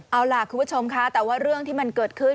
เอาล่ะคุณผู้ชมค่ะแต่ว่าเรื่องที่มันเกิดขึ้น